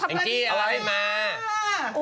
อังจิเอาไว้มา